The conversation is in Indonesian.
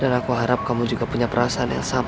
dan aku harap kamu juga punya perasaan yang sama